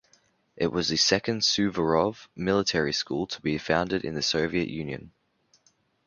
It was the second Suvorov Military School to be founded in the Soviet Union.